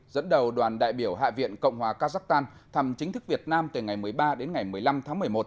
dẫn đầu đoàn đại biểu hạ viện cộng hòa kazakhstan thăm chính thức việt nam từ ngày một mươi ba đến ngày một mươi năm tháng một mươi một